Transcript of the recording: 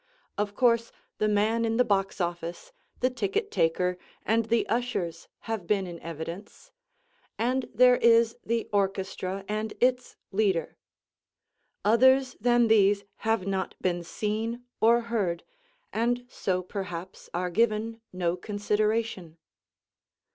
Of course the man in the box office, the ticket taker, and the ushers have been in evidence, and there is the orchestra and its leader. Others than these have not been seen or heard, and so perhaps are given no consideration.